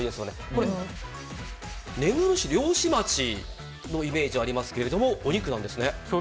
これ、根室市は漁師町のイメージがありますがお肉なんですね。